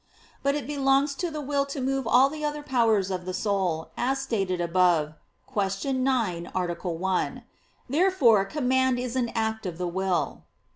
But it belongs to the will to move all the other powers of the soul, as stated above (Q. 9, A. 1). Therefore command is an act of the will.